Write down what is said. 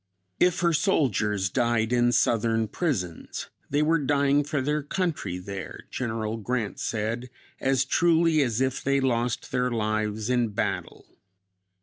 If her soldiers died in Southern prisons, they were dying for their country there, General Grant said, as truly as if they lost their lives in battle.